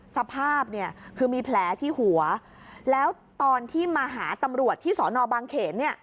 สภาพคือมีแผลที่หัวแล้วตอนที่มาหาตำรวจที่สนบังเขต